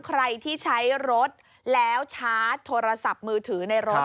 ใครที่ใช้รถแล้วชาร์จโทรศัพท์มือถือในรถ